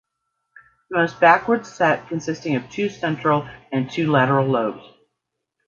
The most backward set consisting of two central and two lateral lobes.